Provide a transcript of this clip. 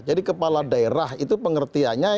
jadi kepala daerah itu pengertiannya